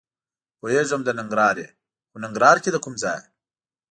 پوهېږم د ننګرهار یې؟ خو ننګرهار کې د کوم ځای یې؟